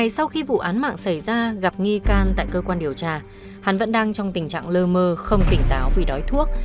sau khi vụ án mạng xảy ra gặp nghi can tại cơ quan điều tra hắn vẫn đang trong tình trạng lơ mơ không tỉnh táo vì đói thuốc